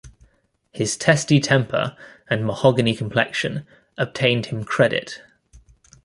His testy temper and mahogany complexion obtained him credit.